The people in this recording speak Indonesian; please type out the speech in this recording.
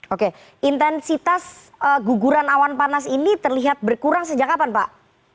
oke intensitas guguran awan panas ini terlihat berkurang sejak kapan pak